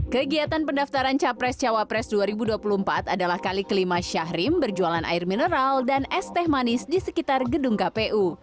kegiatan pendaftaran capres cawapres dua ribu dua puluh empat adalah kali kelima syahrim berjualan air mineral dan es teh manis di sekitar gedung kpu